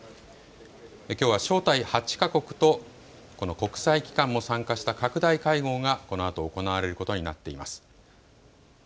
きょうは招待８か国とこの国際機関も参加した拡大会合がこのあと行われることになっています。